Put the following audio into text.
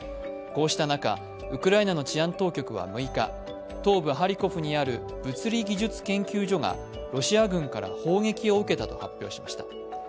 こうした仲、ウクライナの治安当局は６日東部ハリコフにある物理技術研究所がロシア軍から砲撃を受けたと発表しました。